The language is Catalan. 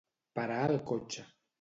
Parar el cotxe.